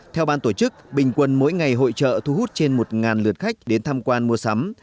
theo ban tổ chức bình quân mỗi ngày hội trợ thu hút trên một lượt khách đến tham quan mua sắm